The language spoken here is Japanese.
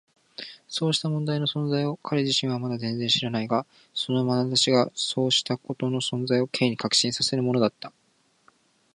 そうした問題の存在を彼自身はまだ全然知らないが、そのまなざしがそうしたことの存在を Ｋ に確信させるのだった。